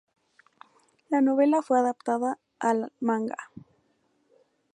La novela fue adaptada al manga.